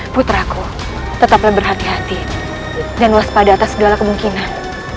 putraku tetaplah berhati hati dan waspada atas segala kemungkinan